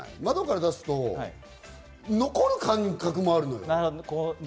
窓から出すと残る感覚もあるのよ。